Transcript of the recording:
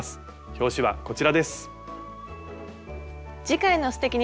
表紙はこちらです。